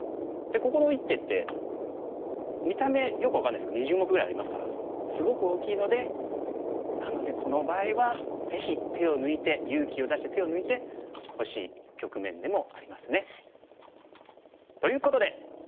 でここの一手って見た目よく分からないですけど２０目ぐらいありますからすごく大きいのでなのでこの場合はぜひ手を抜いて勇気を出して手を抜いてほしい局面でもありますね。ということで。